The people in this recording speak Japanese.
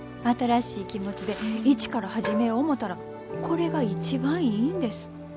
新しい気持ちで一から始めよ思たらこれが一番いいんです。